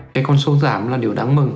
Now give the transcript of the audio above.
cái con số giảm là điều đáng mừng